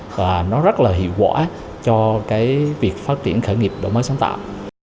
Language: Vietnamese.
và nó rất là hiệu quả cho cái việc phát triển khởi nghiệp đổi mới sáng tạo